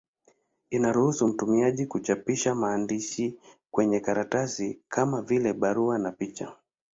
Inaruhusu mtumiaji kuchapisha maandishi kwenye karatasi, kama vile barua na picha.